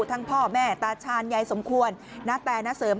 ทั้งพ่อแม่ตาชาญยายสมควรณแต่ณเสริม